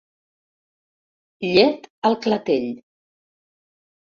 «Llet al clatell».